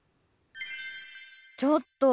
ちょっと！